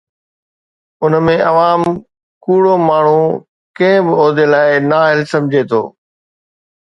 ان ۾ عوام ڪوڙو ماڻهو ڪنهن به عهدي لاءِ نااهل سمجهي ٿو.